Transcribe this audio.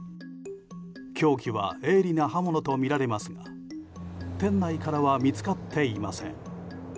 凶器は鋭利な刃物とみられますが店内からは見つかっていません。